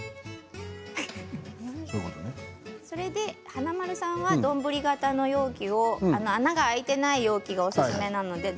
華丸さんは丼型の容器穴が開いていない容器がおすすめです。